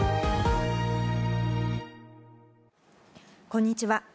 こんにちは。